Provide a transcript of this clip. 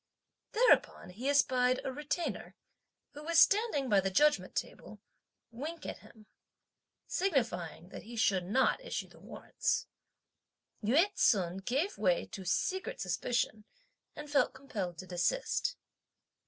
Thereupon he espied a Retainer, who was standing by the judgment table, wink at him, signifying that he should not issue the warrants. Yü t'sun gave way to secret suspicion, and felt compelled to desist.